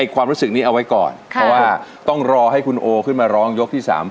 ความรู้สึกนี้เอาไว้ก่อนเพราะว่าต้องรอให้คุณโอขึ้นมาร้องยกที่๓